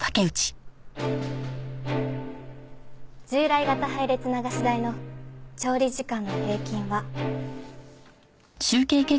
従来型配列流し台の調理時間の平均は。